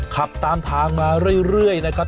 ขับตามทางมาเรื่อยนะครับ